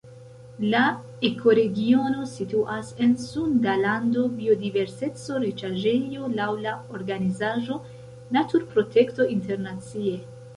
La ekoregiono situas en Sunda Lando, biodiverseco-riĉaĵejo laŭ la organizaĵo Naturprotekto Internacie.